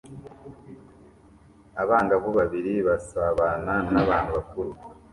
Abangavu babiri basabana nabantu bakuru